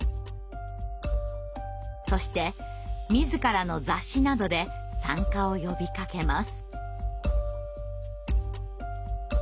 そして自らの雑誌などで参加を呼びかけます。